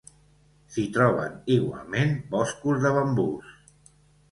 S'hi troben igualment boscos de bambús.